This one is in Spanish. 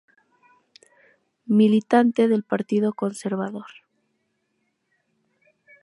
Militante del partido Conservador.